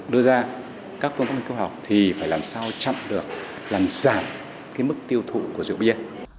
đưa ra các phương pháp nghiên cứu học thì phải làm sao chặn được làm giảm cái mức tiêu thụ của rượu bia